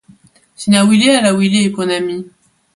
sina wile ala wile e pona mi?